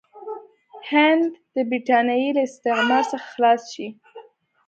هند د برټانیې له استعمار څخه خلاص شي.